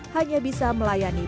hanya bisa melayani